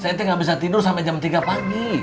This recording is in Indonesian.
saya tidak bisa tidur selama tiga voooorn